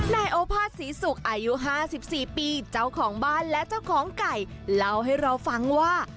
นายโอภาษศรีศุกร์อายุ๕๔ปีเจ้าของบ้านและเจ้าของไก่เล่าให้เราฟังว่า